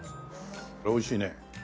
おいしいね。